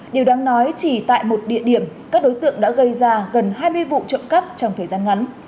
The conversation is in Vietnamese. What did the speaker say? điều đáng nói chỉ tại một địa điểm các đối tượng đã gây ra gần hai mươi vụ trộm cắp trong thời gian ngắn